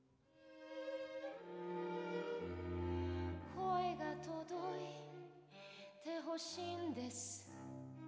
「声が届いて欲しいんです」